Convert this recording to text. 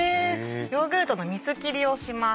ヨーグルトの水切りをします。